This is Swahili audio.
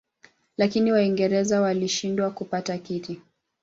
Lakini Waingereza walishindwa kupata kiti.